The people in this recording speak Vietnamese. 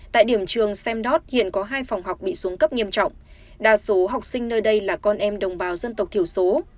tại điểm trường sam đot hiện có hai phòng học bị xuống cấp nghiêm trọng đa số học sinh nơi đây là con em đồng bào dân tộc thiểu số